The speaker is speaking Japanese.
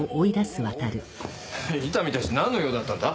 伊丹たちなんの用だったんだ？